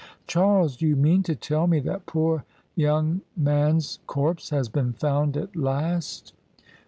'' Charles, do you mean to tell me that poor young man's corpse has been found at last?"